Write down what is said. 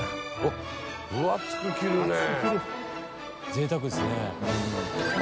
ぜいたくですね。